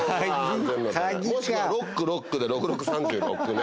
もしくはロックロックで６６３６ね。